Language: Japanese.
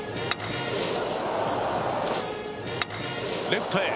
レフトへ。